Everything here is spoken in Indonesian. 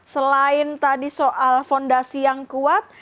selain tadi soal fondasi yang kuat